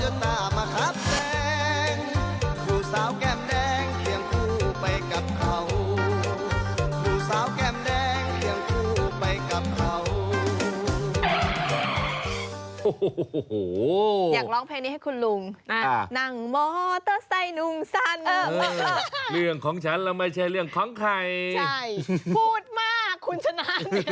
ดูสาวแก้มแดงเหลี่ยงคู่ไปกับเขา